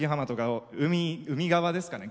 海側ですかね。